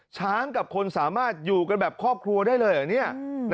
ช้างกับคนสามารถอยู่กันแบบครอบครัวได้เลย